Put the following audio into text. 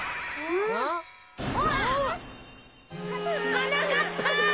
はなかっぱ！